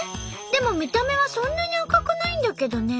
でも見た目はそんなに赤くないんだけどね。